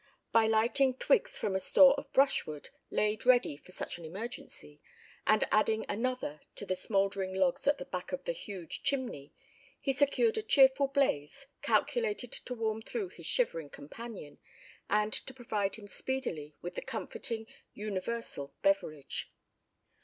By lighting twigs from a store of brush wood, laid ready for such an emergency, and adding another to the smouldering logs at the back of the huge chimney he secured a cheerful blaze, calculated to warm through his shivering companion, and to provide him speedily with the comforting, universal beverage.